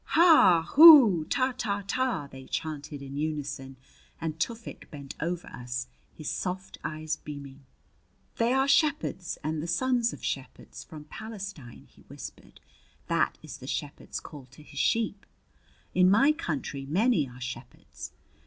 "Ha! Hoo! Ta, Ta, Ta!" they chanted in unison; and Tufik bent over us, his soft eyes beaming. "They are shepherds and the sons of shepherds from Palestine," he whispered. "That is the shepherd's call to his sheep. In my country many are shepherds.